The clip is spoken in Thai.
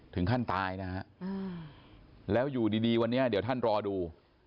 ถึงขั้นตายนะฮะแล้วอยู่ดีวันนี้เดี๋ยวท่านรอดู